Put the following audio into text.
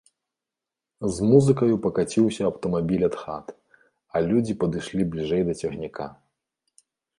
З музыкаю пакаціўся аўтамабіль ад хат, а людзі падышлі бліжэй да цягніка.